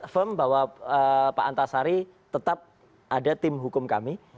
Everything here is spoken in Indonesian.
firm bahwa pak antasari tetap ada tim hukum kami